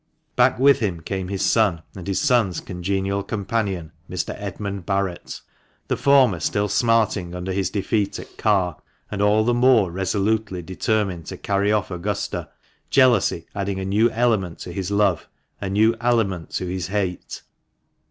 Back with him came his son, and his son's congenial companion, Mr. Edmund Barret ; the former still smarting under his defeat at Carr, and all the more resolutely 370 THE MANCHESTER MAN. determined to carry off Augusta, jealousy adding a new element to his love, a new aliment to his hate.